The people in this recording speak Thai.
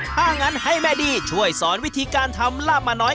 ถ้างั้นให้แม่ดีช่วยสอนวิธีการทำลาบมาน้อย